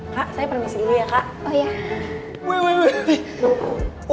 kak saya permisi dulu ya kak